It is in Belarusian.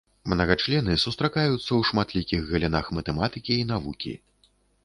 Мнагачлены сустракаюцца ў шматлікіх галінах матэматыкі і навукі.